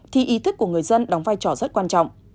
thì ý thức của người dân đóng vai trò rất quan trọng